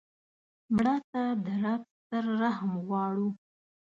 مړه ته د رب ستر رحم غواړو